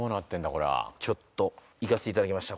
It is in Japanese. これはちょっといかせていただきました